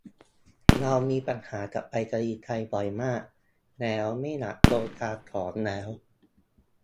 เรามีปัญหากับไปรษณีย์ไทยบ่อยมากแล้วไม่อยากโทรตามของแล้ว